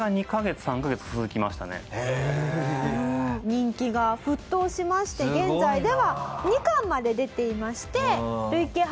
人気が沸騰しまして現在では２巻まで出ていまして。